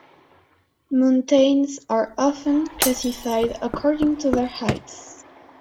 Mountains are often classified according to their heights.